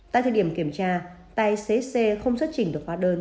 tại thời điểm kiểm tra tay xế xe không xuất trình được phá đơn